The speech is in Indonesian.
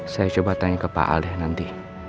saya coba tanya ke pak aleh nanti